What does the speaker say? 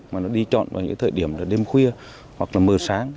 mà nó đi chọn vào những thời điểm đêm khuya hoặc là mưa sáng